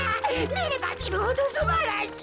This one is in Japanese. みればみるほどすばらしい。